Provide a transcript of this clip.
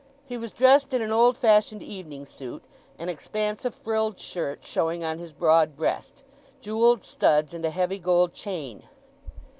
He was dressed in an old fashioned evening suit, an expanse of frilled shirt showing on his broad breast; jewelled studs, and a heavy gold chain.